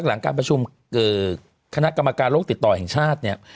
หลังการประชุมคณะกรรมการโลกติดต่อแห่งชาติเนี่ย